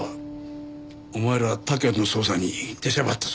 お前ら他県の捜査に出しゃばったそうだな。